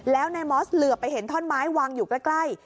แล้วนายมอสเหลือไปเห็นท่อนไม้วางอยู่ใกล้